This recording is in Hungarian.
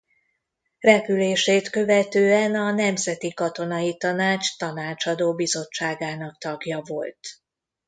Repülését követően a Nemzeti Katonai Tanács Tanácsadó Bizottságának tagja volt.